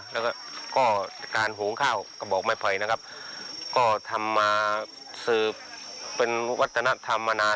แล้วก็ก็การหุงข้าวกระบอกไม้ไผ่นะครับก็ทำมาสืบเป็นวัฒนธรรมมานาน